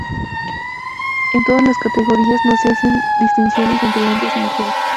En todas las categorías no se hacen distinciones entre hombres y mujeres.